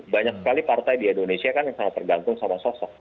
banyak sekali partai di indonesia yang tergantung sama sosok